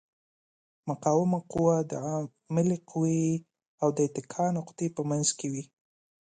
مقاومه قوه د عاملې قوې او د اتکا نقطې په منځ کې وي.